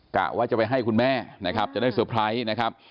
กะว่าจะไปให้คุณแม่นะครับจะได้สุรไพรส์